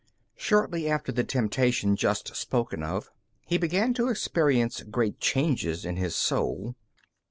Shortly after the temptation just spoken of, he began to experience great changes in his soul.